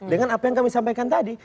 dengan apa yang kami sampaikan tadi